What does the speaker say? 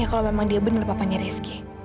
kalau memang dia benar papanya rizky